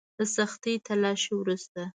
د سختې تلاشۍ وروسته.